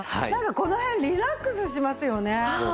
なんかこの辺リラックスしますよね。